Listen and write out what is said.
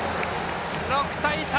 ６対３！